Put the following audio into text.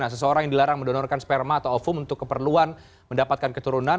nah ini adalah pasal yang dilarang mendonorkan sperma atau alfu untuk keperluan mendapatkan keturunan